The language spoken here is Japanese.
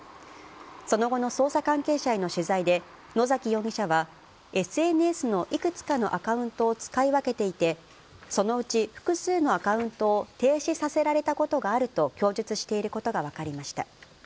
その後の捜査関係者への取材で、野崎容疑者は、ＳＮＳのいくつかのアカウントを使い分けていて、そのうち複数のアカウントを停止させられたことがあると供述していることが分かりました。